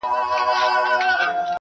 زما او ستا تر منځ صرف فرق دادى~